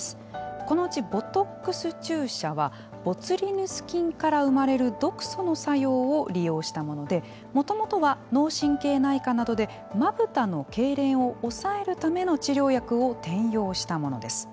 このうちボトックス注射はボツリヌス菌から生まれる毒素の作用を利用したものでもともとは脳神経内科などでまぶたのけいれんを抑えるための治療薬を転用したものです。